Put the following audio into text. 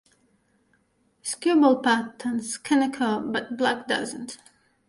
Skewbald patterns can occur, but black does not.